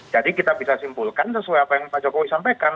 kita bisa simpulkan sesuai apa yang pak jokowi sampaikan